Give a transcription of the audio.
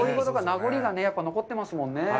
名残が残ってますもんね。